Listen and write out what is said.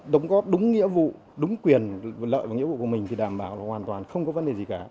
đóng góp đúng nghĩa vụ đúng quyền lợi và nghĩa vụ của mình thì đảm bảo là hoàn toàn không có vấn đề gì cả